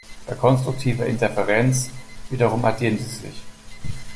Bei konstruktiver Interferenz wiederum addieren sie sich.